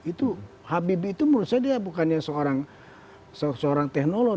itu habib itu menurut saya dia bukannya seorang teknolog